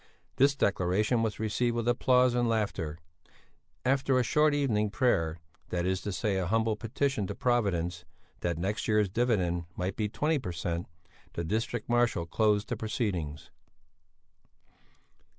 This declaration was received with applause and laughter. After a short evening prayer, that is to say a humble petition to Providence that next year's dividend might be 20 per cent., the district marshal closed the proceedings.